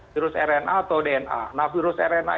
virus rna atau dna nah virus rna